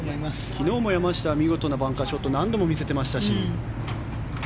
昨日も山下は見事なバンカーショットを何度も見せていましたし。